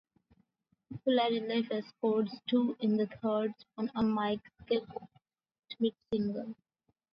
Philadelphia scored two in the third on a Mike Schmidt single.